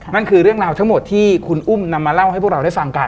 นั่นคือเรื่องราวทั้งหมดที่คุณอุ้มนำมาเล่าให้พวกเราได้ฟังกัน